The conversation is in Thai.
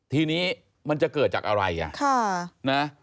ทีนี้มันจะเกิดจากอะไร